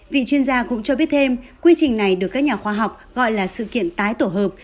vị chuyên gia cũng cho biết thêm quy trình này được các nhà khoa học gọi là sự kiện tái tổ hợp